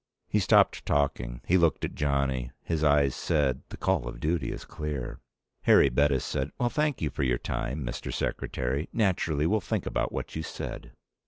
He stopped talking. He looked at Johnny. His eyes said, the call of duty is clear. Harry Bettis said, "Well, thank you for your time, Mr. Secretary. Naturally, we'll think about what you said."